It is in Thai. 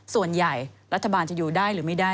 ส่วนใหญ่รัฐบาลจะอยู่ได้หรือไม่ได้